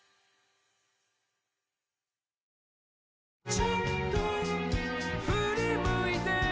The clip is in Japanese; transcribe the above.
「ちょっとふり向いて」